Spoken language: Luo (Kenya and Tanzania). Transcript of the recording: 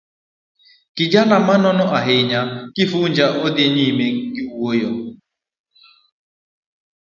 Kijana ma nono ahinya, Kifuja nodhi nyime giwuoyo.